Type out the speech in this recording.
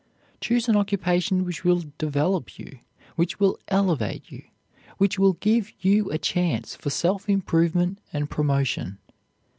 Choose an occupation which will develop you; which will elevate you; which will give you a chance for self improvement and promotion.